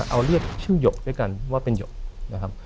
ขนาดเอาเรียกชื่อหยกด้วยกันว่าเป็นหยก